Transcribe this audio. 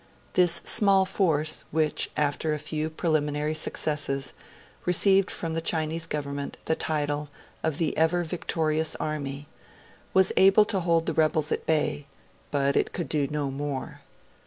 This small force, which, after a few preliminary successes, received from the Chinese Government the title of the 'Ever Victorious Army', was able to hold the rebels at bay, but it could do no more.